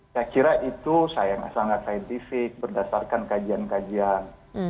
saya kira itu sayangnya sangat saintifik berdasarkan kajian kajian